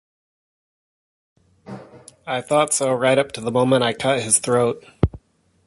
I thought so right up to the moment I cut his throat.